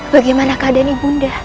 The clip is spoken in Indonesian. bagaimana keadaan ibu nia